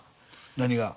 何が？